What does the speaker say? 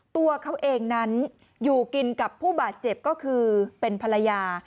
ตัวเขาเองนั้นอยู่กินกับผู้บาดเจ็บก็คือเป็นภรรยา